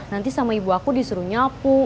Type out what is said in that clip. nanti sama ibu aku disuruh nyapu